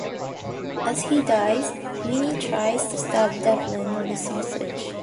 As he dies, Weenie tries to stab Devlin with a sausage.